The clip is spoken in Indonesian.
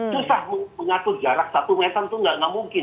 susah mengatur jarak satu meter itu nggak mungkin